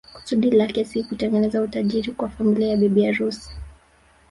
Kusudi lake si kutengeneza utajijri kwa familia ya bibi harusi